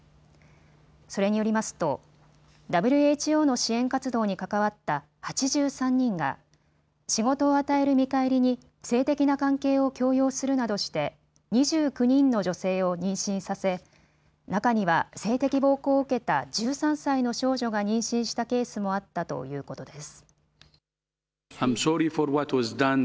それによりますとＷＨＯの支援活動に関わった８３人が仕事を与える見返りに性的な関係を強要するなどして２９人の女性を妊娠させ中には性的暴行を受けた１３歳の少女が妊娠したケースもあったということです。